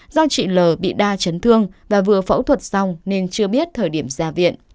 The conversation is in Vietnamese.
do chị l bị đa chấn thương và vừa phẫu thuật xong nên chưa biết thời điểm ra viện